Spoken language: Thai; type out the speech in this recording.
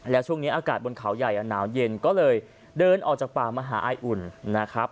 แล้วช่วงนี้อากาศบนเขาใหญ่หนาวเย็นก็เลยเดินออกจากป่ามหาอายอุ่นนะครับ